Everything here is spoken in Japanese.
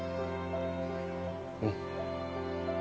うん。